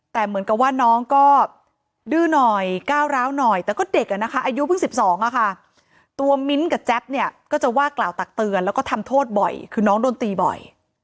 แต่เหมือนกับว่าน้องก็ดื้อหน่อยก้าวร้าวหน่อยแต่ก็เด็กอ่ะนะคะอายุเพิ่ง๑๒อะค่ะตัวมิ้นท์กับแจ๊บเนี่ยก็จะว่ากล่าวตักเตือนแล้วก็ทำโทษบ่อยคือน้องโดนตีบ่อย